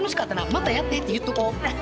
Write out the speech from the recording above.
「またやって」って言っとこう。